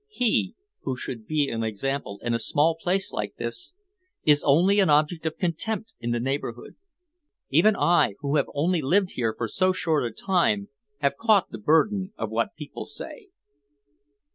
He who should be an example in a small place like this, is only an object of contempt in the neighbourhood. Even I, who have only lived here for so short a time, have caught the burden of what people say."